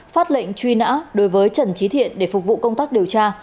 phát lệnh truy nã đối với trần trí thiện để phục vụ công tác điều tra